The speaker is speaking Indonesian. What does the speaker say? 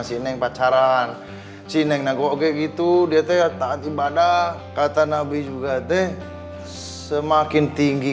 sineng pacaran sineng nah goge gitu dia teh takut ibadah kata nabi juga teh semakin tinggi